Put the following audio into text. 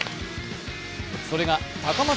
それが高松